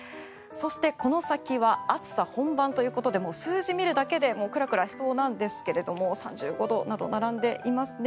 そして、この先は暑さ本番ということで数字を見るだけでくらくらしそうなんですが３５度など並んでいますね。